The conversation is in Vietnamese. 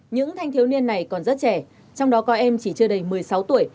những thanh thiếu niên này còn rất trẻ trong đó có em chỉ chưa đầy một mươi sáu tuổi